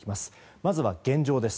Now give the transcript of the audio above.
まずは現状です。